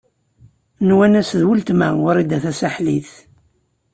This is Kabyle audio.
Nwan-as d uletma Wrida Tasaḥlit.